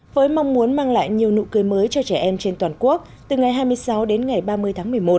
với mong muốn mang lại nhiều nụ cười mới cho trẻ em trên toàn quốc từ ngày hai mươi sáu đến ngày ba mươi tháng một mươi một